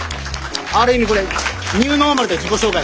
ある意味これニューノーマルな自己紹介。